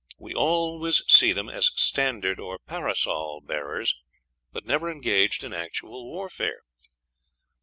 'We always see them as standard or parasol bearers, but never engaged in actual warfare.'"